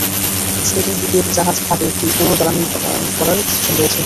Staten দ্বীপের জাহাজ ঘাটে একটি পুরানো জ্বালানি ভরার স্টেশন রয়েছে।